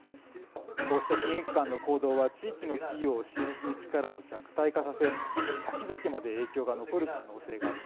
こうした金融機関の行動は地域の企業を支援する力を弱体化させ先々まで影響が残る可能性があります。